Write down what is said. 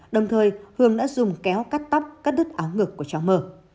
đồng thời hường đã dùng kéo cắt tóc cắt đứt áo ngực của cháu mờ